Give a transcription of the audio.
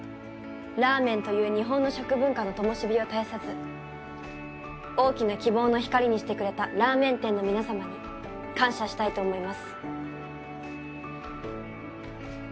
ラーメンという日本の食文化の灯を絶やさず大きな希望の光にしてくれたラーメン店の皆さまに感謝したいと思います。